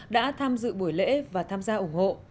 đã tham dự buổi lễ và tham gia ủng hộ